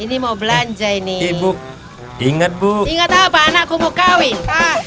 ini mau belanja ini ibu ingat bu ingat apa anakku mau kawin